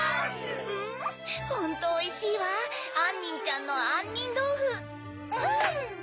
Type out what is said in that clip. ・うんホントおいしいわあんにんちゃんのあんにんどうふ・うん！